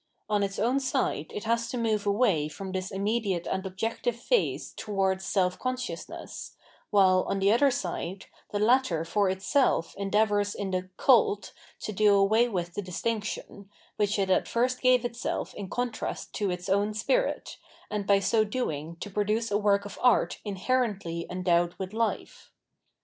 On its own side it has to move away from this imm ediate and objective phase towards self consciousness, while, on the other side, the latter for itself endeavours in the " cult " to do away with the distinction, which it at first gave itself in contrast to its own spirit, and by so doing to produce a work of art inherently endowed with hfe.